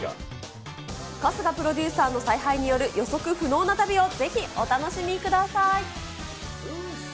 春日プロデューサーの采配による予測不能な旅をぜひお楽しみください。